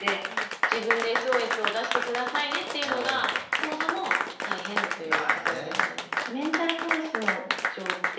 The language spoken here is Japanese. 「自分でＳＯＳを出して下さいね」というのがそもそも大変というところですかね。